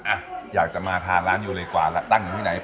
อ่ะอยากจะมาทานร้านยูเลยกว่าล่ะตั้งอยู่ที่ไหน